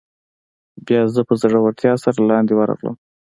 بیا زه په زړورتیا سره لاندې ورغلم.